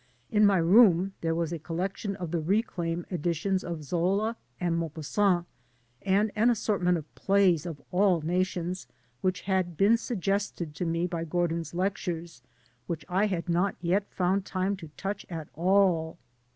In my room there was a collection of the Reclam editions of Zola and Maupassant, and an assortment of plays of all nations which had been suggested to me by Gordin's lectures which I had not yet found time to touch at all.